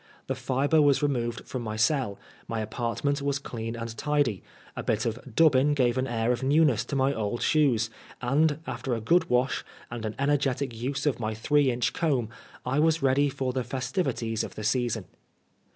The fibre was removed from my oell, my apartment was clean and tidy, a bit of dubbin gave an air of newness to my old shoes, and after a good wash and an energetic use of my three^^ inch comb, I was ready for the festivities of the season.